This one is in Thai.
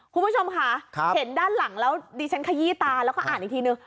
คุณผู้ชมค่ะเห็นด้านหลังแล้วดิฉันขยี้ตาแล้วก็อ่านอีกทีนึง